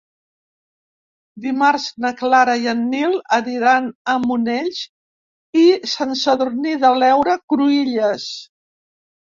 Dimarts na Clara i en Nil aniran a Monells i Sant Sadurní de l'Heura Cruïlles.